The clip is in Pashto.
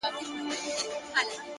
لوړ اخلاق خاموشه تبلیغ دی!